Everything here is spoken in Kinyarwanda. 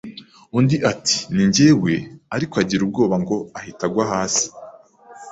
undi ati ni njyewe ariko agira ubwoba ngo ahita agwa hasi